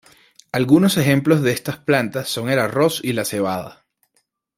Algunos ejemplos de estas plantas son el arroz y la cebada.